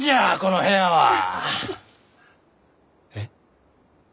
えっ？